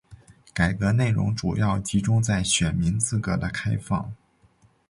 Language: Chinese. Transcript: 改革内容主要集中在选民资格的开放。